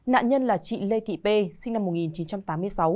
nạn nhân là chị lê thị p sinh năm một nghìn chín trăm tám mươi sáu